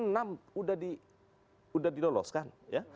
enam sudah diloloskan